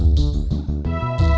masih di pasar